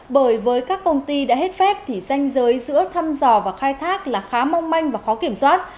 bởi với các công ty đã hết phép thì danh giới giữa thăm dò và khai thác là khá mong manh và khó kiểm soát